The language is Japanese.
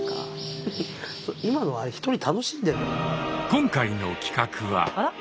今回の企画は。